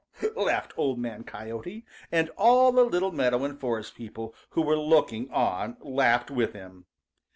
laughed Old Man Coyote, and all the little meadow and forest people who were looking on laughed with him.